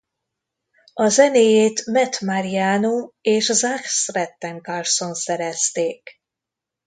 A zenéjét Matt Mariano és Zach Stretten-Carlson szerezték.